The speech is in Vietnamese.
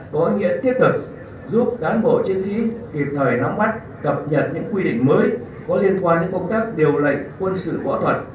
có ý nghĩa thiết thực giúp cán bộ chiến sĩ kịp thời nắm mắt cập nhật những quy định mới có liên quan đến công tác điều lệnh quân sự võ thuật